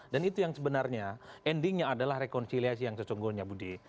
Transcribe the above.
dan itu yang sebenarnya endingnya adalah rekonsiliasi yang sesungguhnya budi